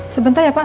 sebentar ya pak